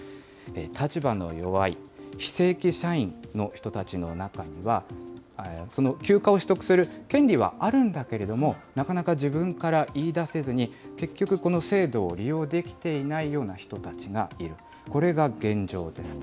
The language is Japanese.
立場の弱い非正規社員の人たちの中には、休暇を取得する権利はあるんだけれども、なかなか自分から言い出せずに、結局この制度を利用できていないような人たちがいる、これが現状ですと。